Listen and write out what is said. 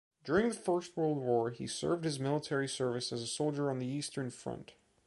During the first world war he served his military service as a soldier on the eastern front.